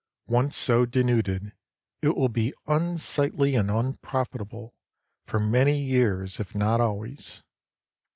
Once so denuded, it will be unsightly and unprofitable for many years if not always.